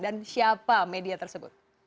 dan siapa media tersebut